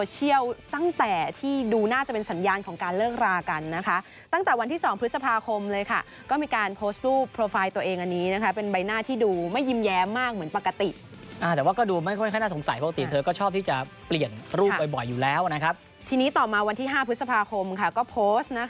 ตั้งแต่ที่ดูน่าจะเป็นสัญญาณของการเลิกรากันนะคะตั้งแต่วันที่สองพฤษภาคมเลยค่ะก็มีการโพสต์รูปโปรไฟล์ตัวเองอันนี้นะคะเป็นใบหน้าที่ดูไม่ยิ้มแย้มมากเหมือนปกติแต่ว่าก็ดูไม่ค่อยน่าสงสัยปกติเธอก็ชอบที่จะเปลี่ยนรูปบ่อยอยู่แล้วนะครับทีนี้ต่อมาวันที่ห้าพฤษภาคมค่ะก็โพสต์นะคะ